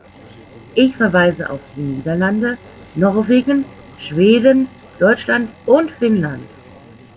Ich verweise auf die Niederlande, Norwegen, Schweden, Deutschland und Finnland.